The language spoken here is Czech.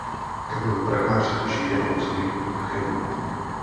Kamil Prachař žije a působí v Chebu.